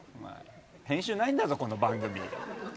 編集ないんだぞ、この番組。